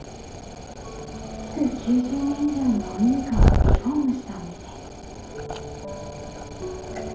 築９０年以上の古民家をリフォームしたお店。